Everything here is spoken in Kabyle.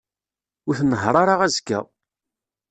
Ur tnehheṛ ara azekka.